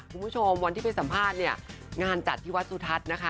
คุณผู้ชมวันที่ไปสัมภาษณ์เนี่ยงานจัดที่วัดสุทัศน์นะคะ